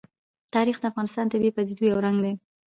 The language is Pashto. تاریخ د افغانستان د طبیعي پدیدو یو رنګ دی.